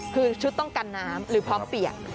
คือชุดต้องกันน้ำหรือพร้อมเปียก